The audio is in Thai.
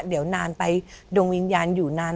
เดี๋ยวนานไปดวงวิญญาณอยู่นาน